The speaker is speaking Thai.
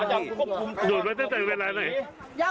หนูมาเต้นเต้นเวลาไหน